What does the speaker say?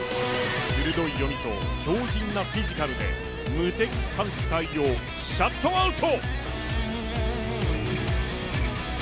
鋭い読みと強靱なフィジカルで無敵艦隊をシャットアウト。